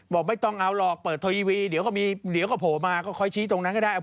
บอกไม่ต้องเอาหรอกเปิดทีวีเดี๋ยวก็โผล่มาค่อยชี้ตรงนั้นก็ได้